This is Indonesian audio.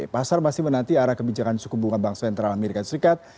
pasar masih menanti arah kebijakan suku bunga bangsa yang teralami rakyat serikat